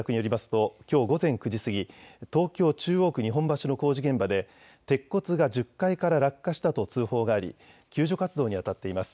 ときょう午前９時過ぎ東京中央区日本橋の工事現場で鉄骨が１０階から落下したと通報があり救助活動にあたっています。